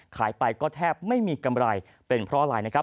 ขายไปก็แทบไม่มีกำไรเป็นเพราะอะไรนะครับ